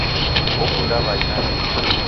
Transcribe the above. Wokunda w'ai nandighi.